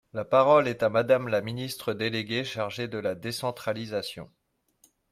La parole est à Madame la ministre déléguée chargée de la décentralisation.